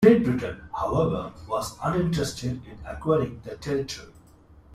Great Britain, however, was uninterested in acquiring the territory.